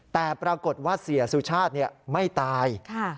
แต่ปรากฏว่าเสียสุชาติไม่ตาย